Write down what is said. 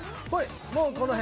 もうこの辺。